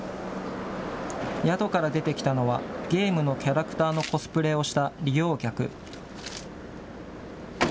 宿から出てきたのは、ゲームのキャラクターのコスプレをした利用客。